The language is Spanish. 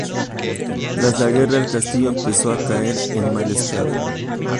Tras la guerra el castillo empezó a caer en mal estado.